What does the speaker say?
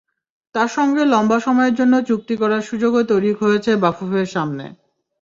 তাঁর সঙ্গে লম্বা সময়ের জন্য চুক্তি করার সুযোগও তৈরি হয়েছে বাফুফের সামনে।